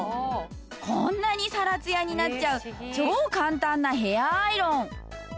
こんなにサラツヤになっちゃう超簡単なヘアアイロン。